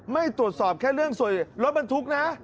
ไม่ตรวจสอบแค่เรื่องสวยรถบรรทุกนะ